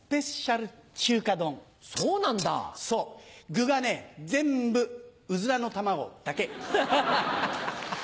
具がね全部ウズラの卵だけ。